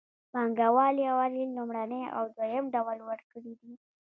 پانګوال یوازې لومړنی او دویم ډول ورکړي دي